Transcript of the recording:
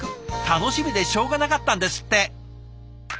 楽しみでしょうがなかったんですって。